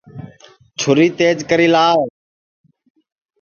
چھُری تیج کرائی لاوَ